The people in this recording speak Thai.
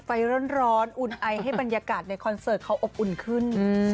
ไฟร้อนอุ่นไอให้บรรยากาศในคอนเสิร์ตเขาอบอุ่นขึ้น